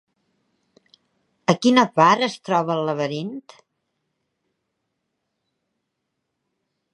A quina part es troba el laberint?